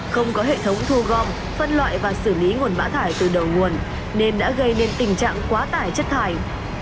không có hệ thống thu gom phân loại và xử lý nguồn bã thải từ đầu nguồn nên đã gây nên tình trạng quá tải chất thải